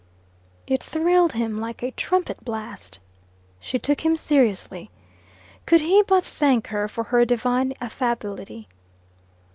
It thrilled him like a trumpet blast. She took him seriously. Could he but thank her for her divine affability!